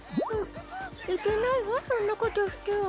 いけないわそんなことしては